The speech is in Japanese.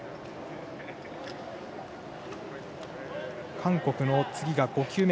韓国、次が５球目。